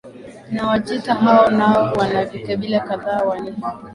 na Wajita hawa nao wana vikabila kadhaa Wanyiha